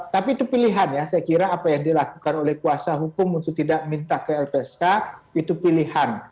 tapi itu pilihan ya saya kira apa yang dilakukan oleh kuasa hukum untuk tidak minta ke lpsk itu pilihan